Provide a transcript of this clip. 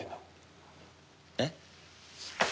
えっ？